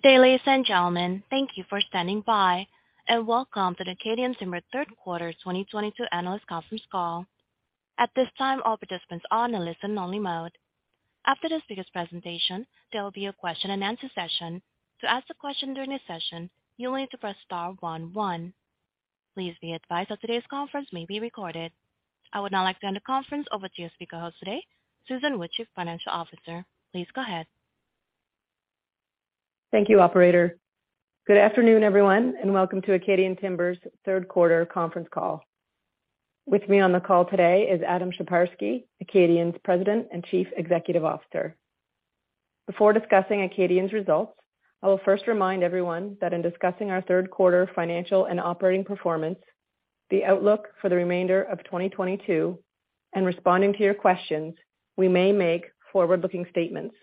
Good day, ladies and gentlemen. Thank you for standing by and welcome to the Acadian Timber third quarter 2022 analyst conference call. At this time, all participants are in a listen-only mode. After the speaker's presentation, there will be a question-and-answer session. To ask a question during this session, you'll need to press star one one. Please be advised that today's conference may be recorded. I would now like to hand the conference over to your speaker host today, Susan Wood, Chief Financial Officer. Please go ahead. Thank you, operator. Good afternoon, everyone, and welcome to Acadian Timber's third quarter conference call. With me on the call today is Adam Sheparski, Acadian's President and Chief Executive Officer. Before discussing Acadian's results, I will first remind everyone that in discussing our third quarter financial and operating performance, the outlook for the remainder of 2022, and responding to your questions, we may make forward-looking statements.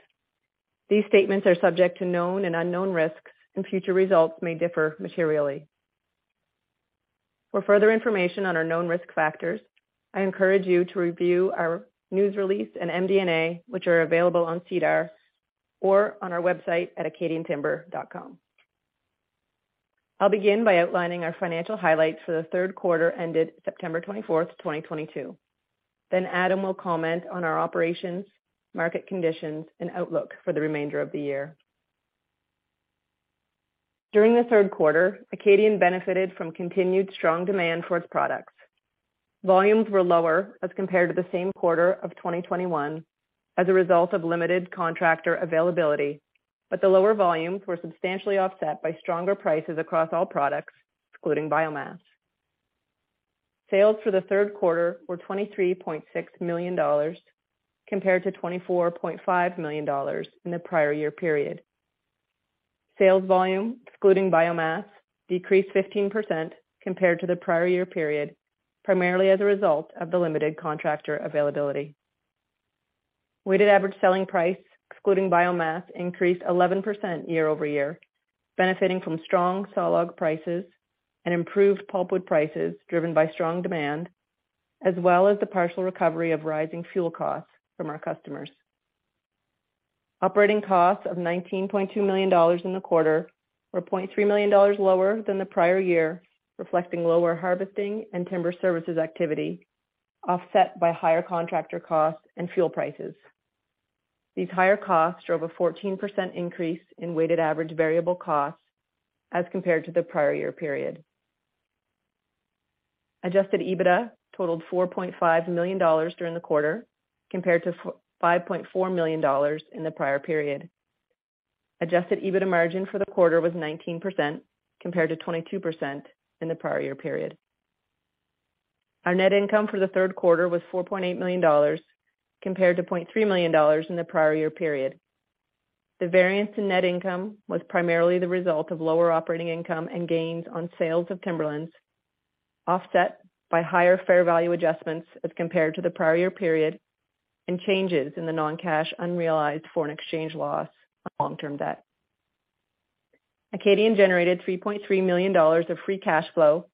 These statements are subject to known and unknown risks, and future results may differ materially. For further information on our known risk factors, I encourage you to review our news release and MD&A, which are available on SEDAR or on our website at acadiantimber.com. I'll begin by outlining our financial highlights for the third quarter ended September 24th, 2022. Then Adam will comment on our operations, market conditions, and outlook for the remainder of the year. During the third quarter, Acadian benefited from continued strong demand for its products. Volumes were lower as compared to the same quarter of 2021 as a result of limited contractor availability, but the lower volumes were substantially offset by stronger prices across all products, excluding biomass. Sales for the third quarter were $23.6 million compared to $24.5 million in the prior year period. Sales volume, excluding biomass, decreased 15% compared to the prior year period, primarily as a result of the limited contractor availability. Weighted average selling price, excluding biomass, increased 11% year-over-year, benefiting from strong sawlog prices and improved pulpwood prices driven by strong demand, as well as the partial recovery of rising fuel costs from our customers. Operating costs of $19.2 million in the quarter were $0.3 million lower than the prior year, reflecting lower harvesting and timber services activity, offset by higher contractor costs and fuel prices. These higher costs drove a 14% increase in weighted average variable costs as compared to the prior year period. Adjusted EBITDA totaled $4.5 million during the quarter, compared to $5.4 million in the prior period. Adjusted EBITDA margin for the quarter was 19%, compared to 22% in the prior year period. Our net income for the third quarter was $4.8 million, compared to $0.3 million in the prior year period. The variance in net income was primarily the result of lower operating income and gains on sales of timberlands, offset by higher fair value adjustments as compared to the prior year period, and changes in the non-cash unrealized foreign exchange loss on long-term debt. Acadian generated $3.3 million of free cash flow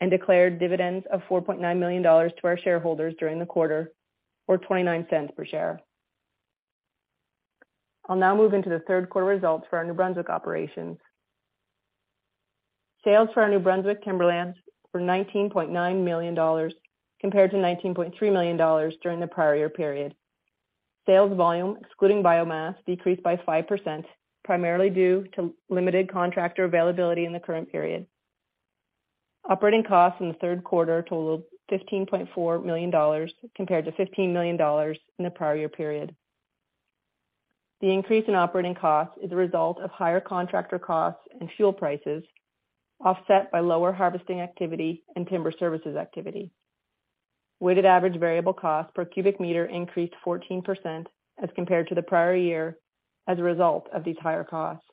and declared dividends of $4.9 million to our shareholders during the quarter, or$0.29 per share. I'll now move into the third quarter results for our New Brunswick operations. Sales for our New Brunswick timberlands were $19.9 million, compared to$19.3 million during the prior year period. Sales volume, excluding biomass, decreased by 5%, primarily due to limited contractor availability in the current period. Operating costs in the third quarter totaled $15.4 million, compared to $15 million in the prior year period. The increase in operating costs is a result of higher contractor costs and fuel prices, offset by lower harvesting activity and timber services activity. Weighted average variable cost per cubic meter increased 14% as compared to the prior year as a result of these higher costs.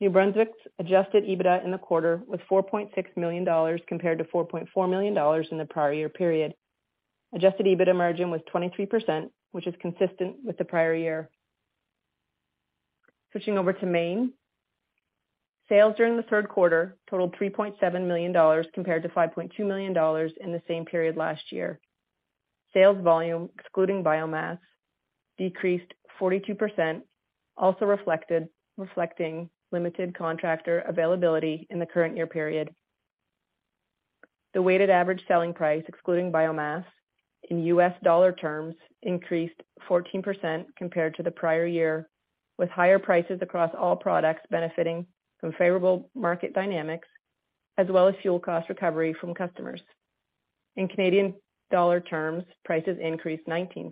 New Brunswick's Adjusted EBITDA in the quarter was $4.6 million compared to $4.4 million in the prior year period. Adjusted EBITDA margin was 23%, which is consistent with the prior year. Switching over to Maine, sales during the third quarter totaled $3.7 million compared to $5.2 million in the same period last year. Sales volume, excluding biomass, decreased 42%, reflecting limited contractor availability in the current year period. The weighted average selling price, excluding biomass, in US dollar terms, increased 14% compared to the prior year, with higher prices across all products benefiting from favorable market dynamics as well as fuel cost recovery from customers. In Canadian dollar terms, prices increased 19%.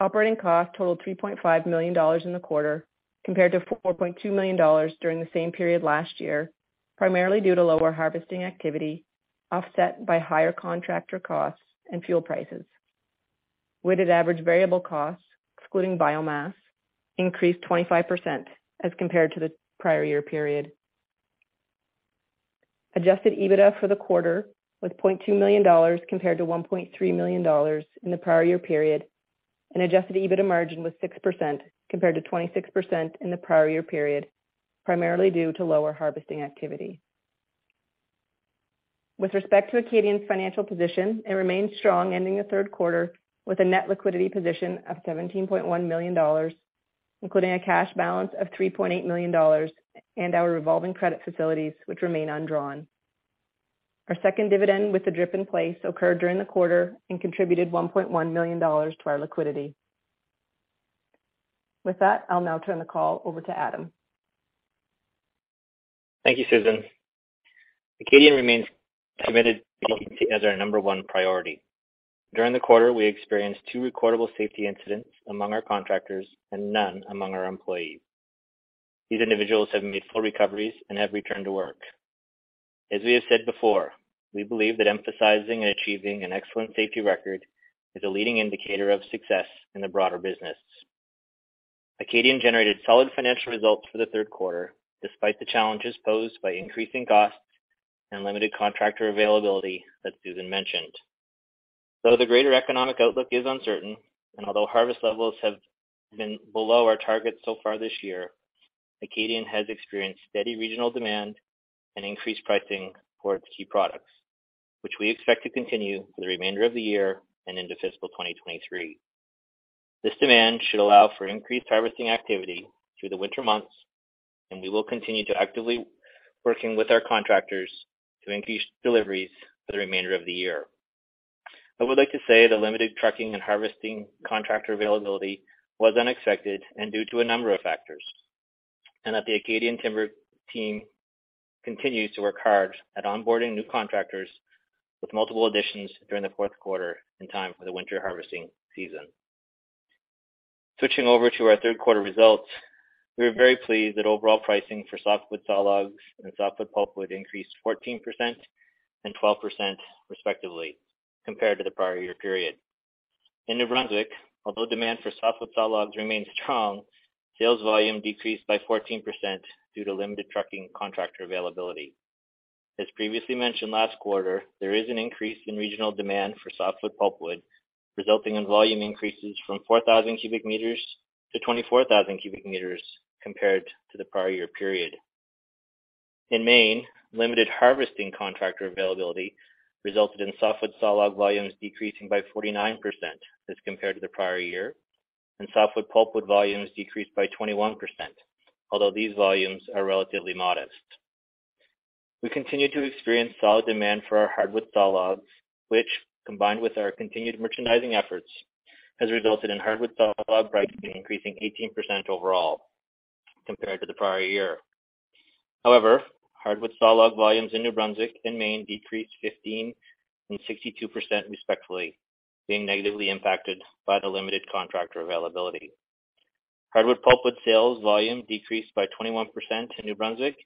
Operating costs totaled $3.5 million in the quarter, compared to $4.2 million during the same period last year, primarily due to lower harvesting activity, offset by higher contractor costs and fuel prices. Weighted average variable costs, excluding biomass, increased 25% as compared to the prior year period. Adjusted EBITDA for the quarter was $0.2 million compared to $1.3 million in the prior year period, and adjusted EBITDA margin was 6% compared to 26% in the prior year period, primarily due to lower harvesting activity. With respect to Acadian's financial position, it remains strong, ending the third quarter with a net liquidity position of $17.1 million, including a cash balance of $3.8 million and our revolving credit facilities, which remain undrawn. Our second dividend with the DRIP in place occurred during the quarter and contributed $1.1 million to our liquidity. With that, I'll now turn the call over to Adam. Thank you, Susan. Acadian remains committed to safety as our number one priority. During the quarter, we experienced two recordable safety incidents among our contractors and none among our employees. These individuals have made full recoveries and have returned to work. As we have said before, we believe that emphasizing and achieving an excellent safety record is a leading indicator of success in the broader business. Acadian generated solid financial results for the third quarter, despite the challenges posed by increasing costs and limited contractor availability that Susan mentioned. Though the greater economic outlook is uncertain, and although harvest levels have been below our targets so far this year, Acadian has experienced steady regional demand and increased pricing for its key products, which we expect to continue for the remainder of the year and into fiscal 2023. This demand should allow for increased harvesting activity through the winter months, and we will continue to actively working with our contractors to increase deliveries for the remainder of the year. I would like to say the limited trucking and harvesting contractor availability was unexpected and due to a number of factors, and that the Acadian Timber team continues to work hard at onboarding new contractors with multiple additions during the fourth quarter in time for the winter harvesting season. Switching over to our third quarter results, we are very pleased that overall pricing for softwood sawlogs and softwood pulpwood increased 14% and 12% respectively, compared to the prior year period. In New Brunswick, although demand for softwood sawlogs remains strong, sales volume decreased by 14% due to limited trucking contractor availability. As previously mentioned last quarter, there is an increase in regional demand for softwood pulpwood, resulting in volume increases from 4,000 cubic meters to 24,000 cubic meters compared to the prior year period. In Maine, limited harvesting contractor availability resulted in softwood sawlog volumes decreasing by 49% as compared to the prior year, and softwood pulpwood volumes decreased by 21%, although these volumes are relatively modest. We continue to experience solid demand for our hardwood sawlogs, which, combined with our continued merchandising efforts, has resulted in hardwood sawlog pricing increasing 18% overall compared to the prior year. However, hardwood sawlog volumes in New Brunswick and Maine decreased 15% and 62% respectively, being negatively impacted by the limited contractor availability. Hardwood pulpwood sales volume decreased by 21% in New Brunswick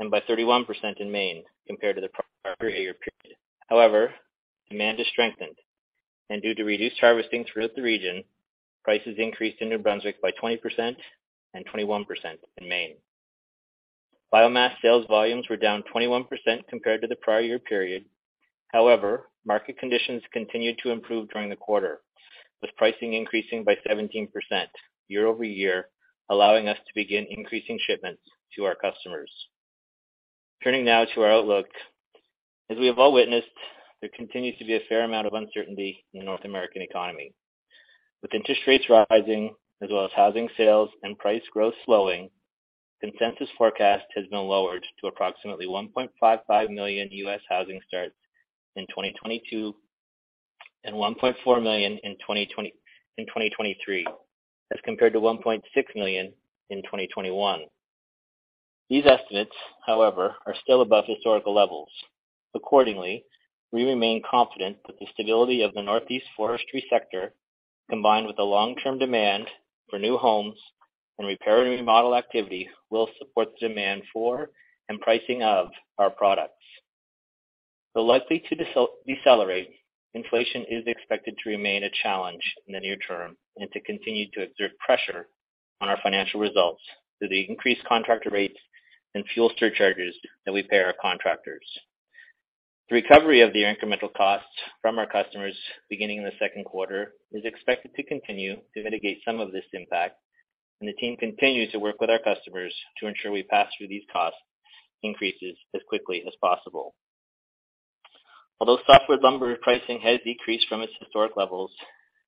and by 31% in Maine compared to the prior year period. However, demand has strengthened, and due to reduced harvesting throughout the region, prices increased in New Brunswick by 20% and 21% in Maine. Biomass sales volumes were down 21% compared to the prior year period. However, market conditions continued to improve during the quarter, with pricing increasing by 17% year over year, allowing us to begin increasing shipments to our customers. Turning now to our outlook. As we have all witnessed, there continues to be a fair amount of uncertainty in the North American economy. With interest rates rising as well as housing sales and price growth slowing, consensus forecast has been lowered to approximately 1.55 million US housing starts in 2022 and 1.4 million in 2023 as compared to 1.6 million in 2021. These estimates, however, are still above historical levels. Accordingly, we remain confident that the stability of the Northeast forestry sector, combined with the long-term demand for new homes and repair and remodel activity, will support the demand for and pricing of our products. Though likely to decelerate, inflation is expected to remain a challenge in the near term and to continue to exert pressure on our financial results through the increased contractor rates and fuel surcharges that we pay our contractors. The recovery of the incremental costs from our customers beginning in the second quarter is expected to continue to mitigate some of this impact, and the team continues to work with our customers to ensure we pass through these cost increases as quickly as possible. Although softwood lumber pricing has decreased from its historic levels,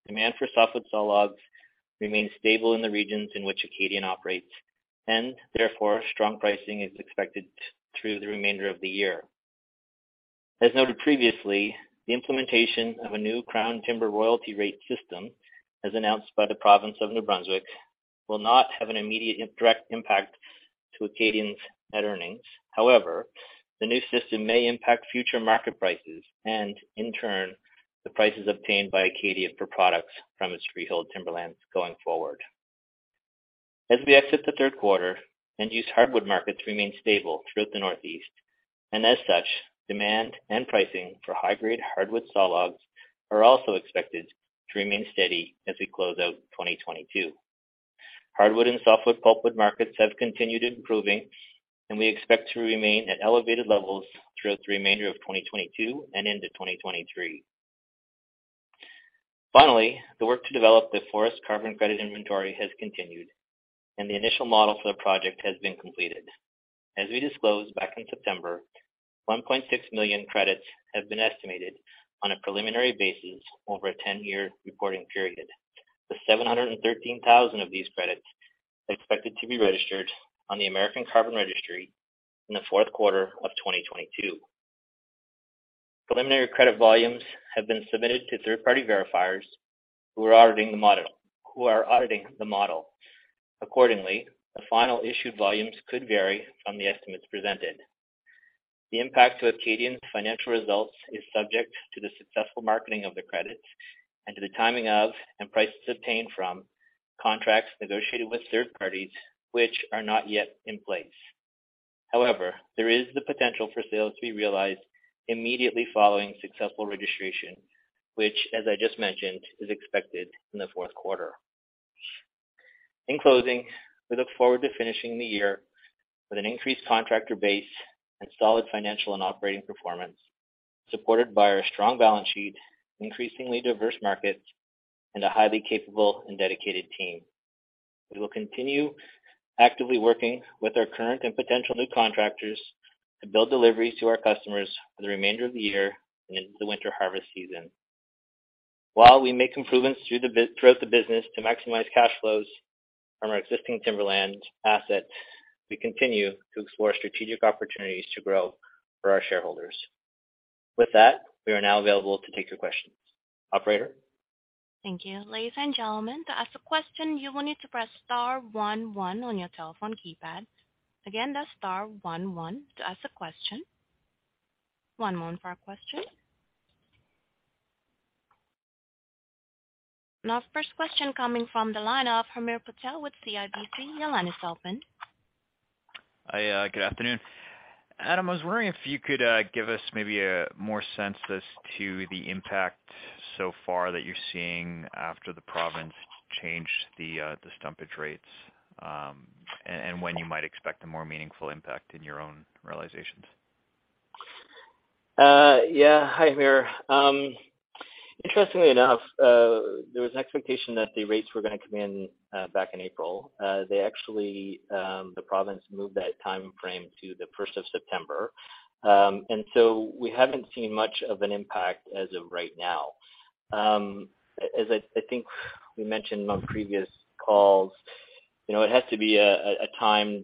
demand for softwood sawlogs remains stable in the regions in which Acadian operates, and therefore strong pricing is expected through the remainder of the year. As noted previously, the implementation of a new Crown timber royalty rate system, as announced by the province of New Brunswick, will not have an immediate direct impact to Acadian's net earnings. However, the new system may impact future market prices and, in turn, the prices obtained by Acadian for products from its freehold timberlands going forward. As we exit the third quarter, end-use hardwood markets remain stable throughout the Northeast, and as such, demand and pricing for high-grade hardwood sawlogs are also expected to remain steady as we close out 2022. Hardwood and softwood pulpwood markets have continued improving, and we expect to remain at elevated levels throughout the remainder of 2022 and into 2023. Finally, the work to develop the forest carbon credit inventory has continued, and the initial model for the project has been completed. As we disclosed back in September, 1.6 million credits have been estimated on a preliminary basis over a 10 year reporting period, with 713,000 of these credits expected to be registered on the American Carbon Registry in the fourth quarter of 2022. Preliminary credit volumes have been submitted to third-party verifiers who are auditing the model. Accordingly, the final issued volumes could vary from the estimates presented. The impact to Acadian's financial results is subject to the successful marketing of the credits and to the timing of, and prices obtained from contracts negotiated with third parties which are not yet in place. However, there is the potential for sales to be realized immediately following successful registration, which as I just mentioned, is expected in the fourth quarter. In closing, we look forward to finishing the year with an increased contractor base and solid financial and operating performance, supported by our strong balance sheet, increasingly diverse markets, and a highly capable and dedicated team. We will continue actively working with our current and potential new contractors to build deliveries to our customers for the remainder of the year and into the winter harvest season. While we make improvements throughout the business to maximize cash flows from our existing timberland assets, we continue to explore strategic opportunities to grow for our shareholders. With that, we are now available to take your questions. Operator? Thank you. Ladies and gentlemen, to ask a question, you will need to press star one one on your telephone keypad. Again, that's star one one to ask a question. One moment for our question. Now first question coming from the line of Hamir Patel with CIBC. Your line is open. Hi, good afternoon. Adam, I was wondering if you could give us maybe a better sense as to the impact so far that you're seeing after the province changed the stumpage rates, and when you might expect a more meaningful impact in your own realizations? Yeah. Hi, Hamir. Interestingly enough, there was an expectation that the rates were gonna come in back in April. They actually, the province moved that timeframe to the first of September. We haven't seen much of an impact as of right now. As I think we mentioned on previous calls, you know, it has to be a time.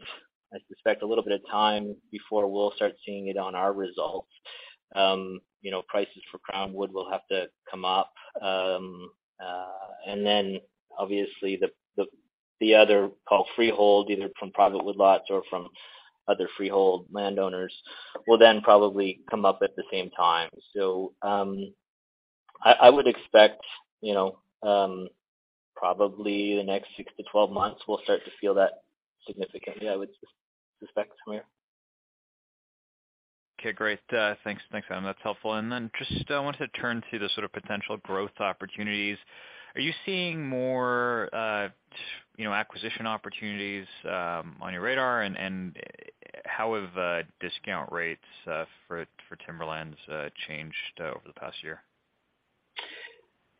I suspect a little bit of time before we'll start seeing it on our results. You know, prices for Crown wood will have to come up. And then obviously the other called freehold, either from private woodlots or from other freehold landowners, will then probably come up at the same time. I would expect, you know, probably the next six to 12 months we'll start to feel that significantly, I would suspect, Hamir. Okay, great. Thanks. Thanks, Adam. That's helpful. Just wanted to turn to the sort of potential growth opportunities. Are you seeing more, you know, acquisition opportunities on your radar? How have discount rates for timberlands changed over the past year?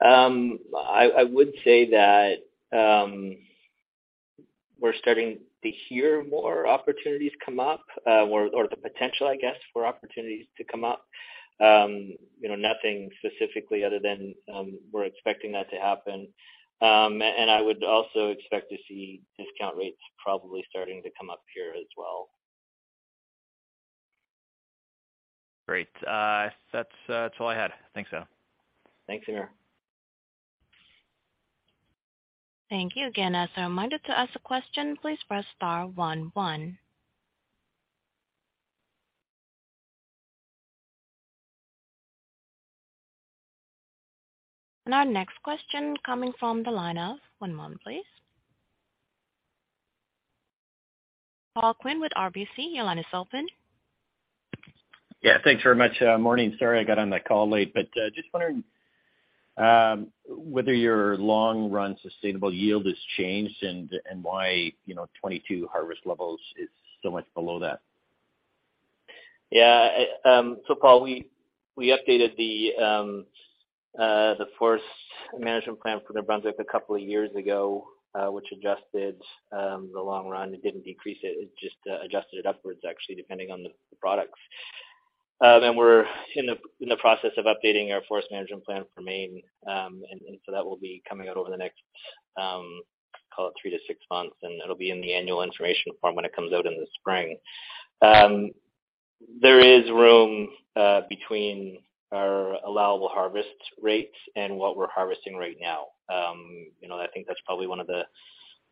I would say that we're starting to hear more opportunities come up, or the potential, I guess, for opportunities to come up. You know, nothing specifically other than we're expecting that to happen. I would also expect to see discount rates probably starting to come up here as well. Great. That's all I had. Thanks, Adam. Thanks, Hamir. Thank you. Again, as a reminder to ask a question, please press star one one. Our next question coming from the line of. One moment, please. Paul Quinn with RBC. Your line is open. Yeah, thanks very much. Morning. Sorry, I got on the call late, but just wondering whether your long-run sustainable yield has changed and why, you know, 22 harvest levels is so much below that. Yeah. Paul, we updated the forest management plan for New Brunswick a couple of years ago, which adjusted the long run. It didn't decrease it just adjusted it upwards actually depending on the products. We're in the process of updating our forest management plan for Maine. That will be coming out over the next call it three to six months, and it'll be in the annual information form when it comes out in the spring. There is room between our allowable harvest rates and what we're harvesting right now. You know, I think that's probably one of the,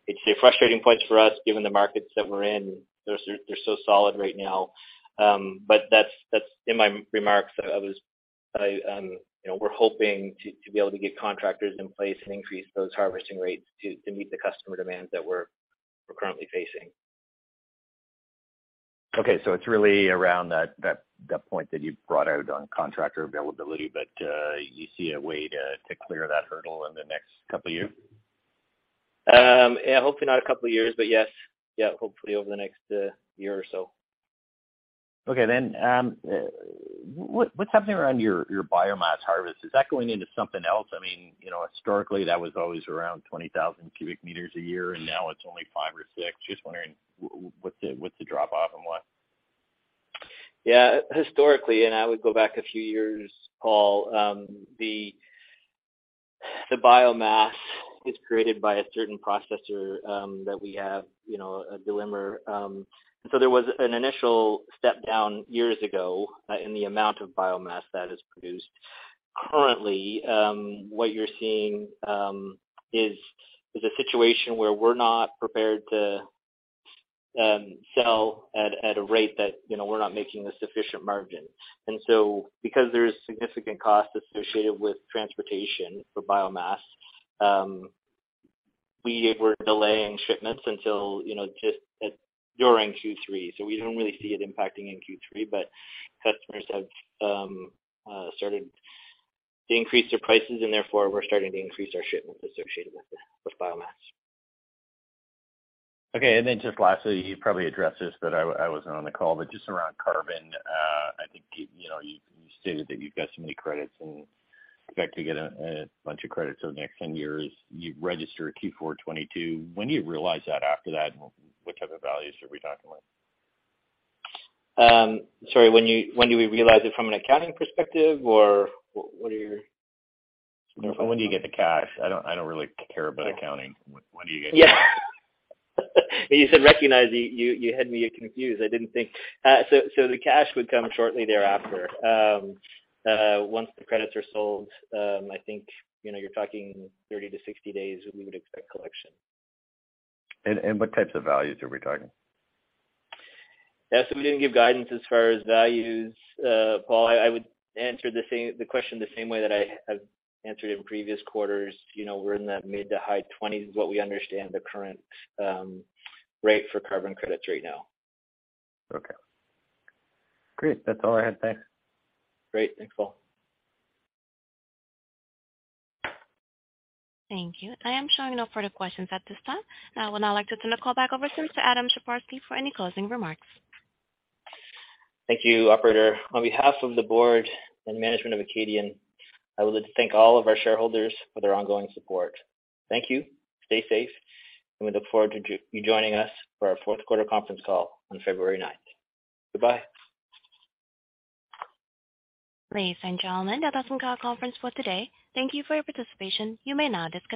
I'd say, frustrating points for us given the markets that we're in. Those are. They're so solid right now. That's in my remarks. You know, we're hoping to be able to get contractors in place and increase those harvesting rates to meet the customer demands that we're currently facing. Okay, it's really around that point that you brought out on contractor availability. You see a way to clear that hurdle in the next couple of years? Yeah, hopefully not a couple of years, but yes. Yeah, hopefully over the next year or so. What's happening around your biomass harvest? Is that going into something else? I mean, you know, historically that was always around 20,000 cubic meters a year, and now it's only five or six. Just wondering what's the drop off and why? Yeah. Historically, I would go back a few years, Paul, the biomass is created by a certain processor that we have, you know, a delivery. There was an initial step down years ago in the amount of biomass that is produced. Currently, what you're seeing is a situation where we're not prepared to sell at a rate that, you know, we're not making a sufficient margin. Because there is significant cost associated with transportation for biomass, we were delaying shipments until, you know, just during Q3. We don't really see it impacting in Q3, but customers have started to increase their prices and therefore we're starting to increase our shipments associated with biomass. Okay. Just lastly, you probably addressed this, but I wasn't on the call, but just around carbon, I think, you know, you stated that you've got so many credits and expect to get a bunch of credits over the next 10 years. You registered in Q4 2022. When do you realize that after that, and what type of values are we talking with? Sorry, when do we realize it from an accounting perspective or what are your- When do you get the cash? I don't really care about accounting. When do you get the cash? When you said recognize it, you had me confused. The cash would come shortly thereafter. Once the credits are sold, I think, you know, you're talking 30-60 days we would expect collection. What types of values are we talking? Yeah. We didn't give guidance as far as values, Paul. I would answer the question the same way that I have answered in previous quarters. You know, we're in that mid to high 20's is what we understand the current rate for carbon credits right now. Okay. Great. That's all I had. Thanks. Great. Thanks, Paul. Thank you. I am showing no further questions at this time. I would now like to turn the call back over to Adam Sheparski for any closing remarks. Thank you, operator. On behalf of the board and management of Acadian, I would like to thank all of our shareholders for their ongoing support. Thank you. Stay safe, and we look forward to you joining us for our fourth quarter conference call on February ninth. Goodbye. Ladies and gentlemen, that does end our conference for today. Thank you for your participation. You may now disconnect.